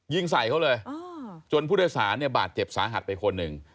ยิงใส่เขาเลยจนผู้โดยสารเนี่ยบาดเจ็บสาหัสไปคนหนึ่ง